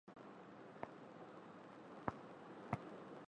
এছাড়াও, ডানহাতে off spin বোলিংয়ে পারদর্শী ছিলেন গ্র্যান্ট প্যাটারসন।